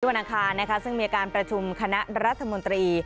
สวัสดีค่ะซึ่งมีอาการประชุมคณะรัฐมนตรี